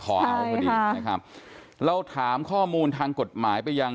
ใช่ค่ะแล้วถามข้อมูลทางกฎหมายไปยัง